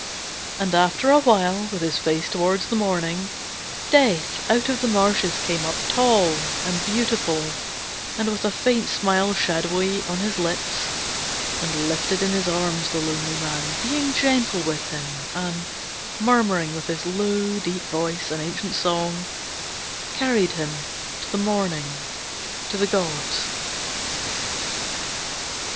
And after a while, with his face towards the morning, Death out of the marshes came up tall and beautiful, and with a faint smile shadowy on his lips, and lifted in his arms the lonely man, being gentle with him, and, murmuring with his low deep voice an ancient song, carried him to the morning to the gods.